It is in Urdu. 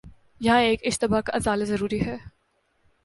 یہاں ایک اشتباہ کا ازالہ ضروری ہے۔